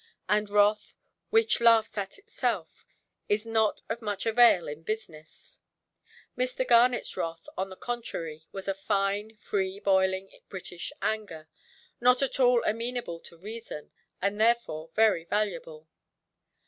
And wrath, which laughs at itself, is not of much avail in business. Mr. Garnetʼs wrath, on the contrary, was a fine, free–boiling, British anger, not at all amenable to reason, and therefore very valuable.